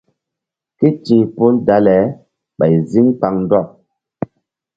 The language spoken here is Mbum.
Ké ti̧h pol dale ɓay ziŋ kpaŋndɔk.